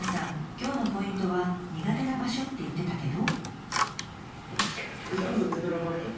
今日のポイントは苦手な場所って言ってたけど。